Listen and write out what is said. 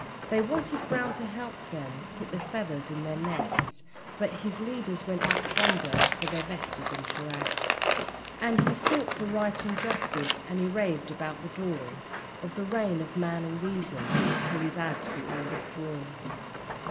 They wanted Brown to help them put the feathers in their nests, But his leaders went like thunder for their vested interests, And he fought for right and justice and he raved about the dawn Of the reign of Man and Reason till his ads. were all withdrawn.